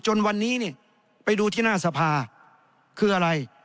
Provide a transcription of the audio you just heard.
จนวันนี้เนี่ยไปดูที่หน้าสภาคืออะไร